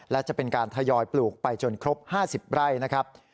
และจะเป็นการทยอยปลูกไปจนครบ๕๐ไร่นะครับ